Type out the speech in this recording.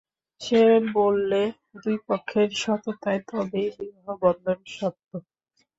সে বললে, দুই পক্ষের সততায় তবেই বিবাহবন্ধন সত্য।